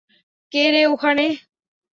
কে রে ওখানে?